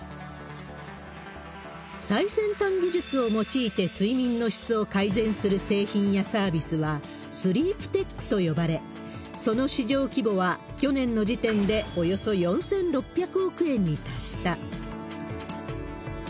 最先端技術を用いて睡眠の質を改善する製品やサービスは、スリープテックと呼ばれ、その市場規模は、去年の時点でおよそ４６００億円に達した。